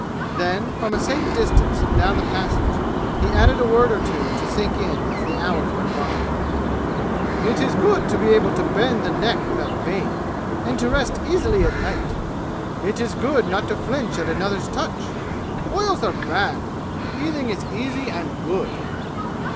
Then, from a safe distance down the passage, he added a word or two to sink in as the hours went by. "It is good to be able to bend the neck without pain and to rest easily at night! It is good not to flinch at another's touch. Boils are bad! Healing is easy and good!"